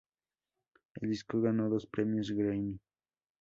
El disco ganó dos premios Grammy.